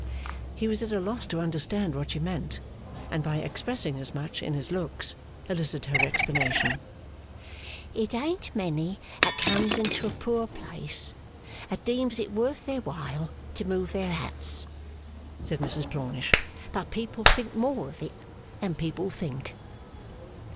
He was at a loss to understand what she meant; and by expressing as much in his looks, elicited her explanation. 'It ain't many that comes into a poor place, that deems it worth their while to move their hats,' said Mrs Plornish. 'But people think more of it than people think.